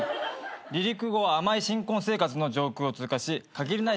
離陸後は甘い新婚生活の上空を通過し限りない